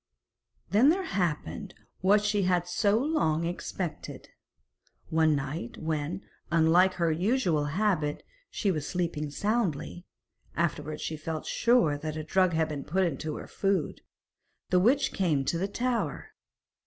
Then there happened what she had so long expected. One night, when, unlike her usual habit, she was sleeping soundly afterwards she felt sure that a drug had been put into her food the witch came to the tower.